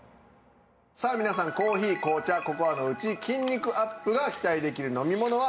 さあ皆さんコーヒー紅茶ココアのうち筋肉アップが期待できる飲み物はなんだと思いますか？